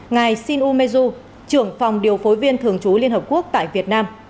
ngài shin u mezu trưởng phòng điều phối viên thường trú liên hợp quốc tại việt nam